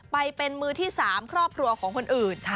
ไปเป็นมือที่๓ครอบครัวของคนอื่น